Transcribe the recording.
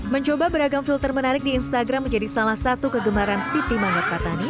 mencoba beragam filter menarik di instagram menjadi salah satu kegemaran siti manggar patani